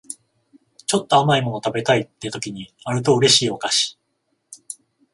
ちょっと甘い物食べたいって時にあると嬉しいお菓子